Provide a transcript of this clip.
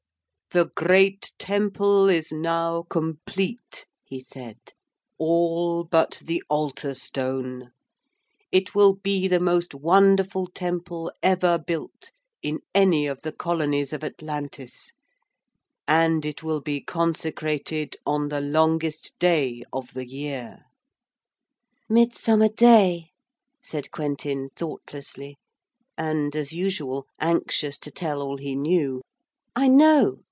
'The great temple is now complete,' he said, 'all but the altar stone. It will be the most wonderful temple ever built in any of the colonies of Atlantis. And it will be consecrated on the longest day of the year.' 'Midsummer Day,' said Quentin thoughtlessly and, as usual, anxious to tell all he knew. 'I know.